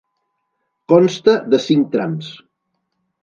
Consta de cinc trams.